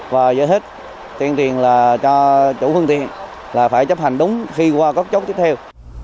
và giới thiết tiền tiền là cho chủ phương tiện là phải chấp hành đúng khi qua cốt chốt tiếp theo